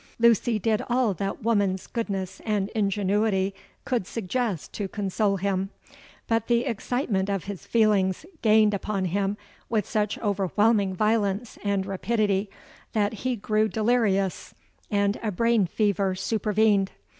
Lucy did all that woman's goodness and ingenuity could suggest to console him; but the excitement of his feelings gained upon him with such overwhelming violence and rapidity, that he grew delirious, and a brain fever supervened.